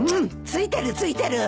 ついてるついてる。